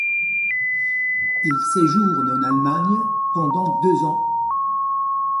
Il séjourne en Allemagne pendant deux ans.